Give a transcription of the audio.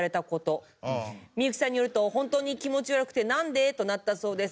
「幸さんによると本当に気持ち悪くてなんで？となったそうです」